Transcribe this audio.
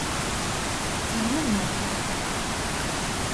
ძალიან მარტივად.